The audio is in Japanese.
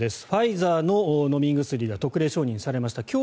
ファイザーの飲み薬が特例承認されました。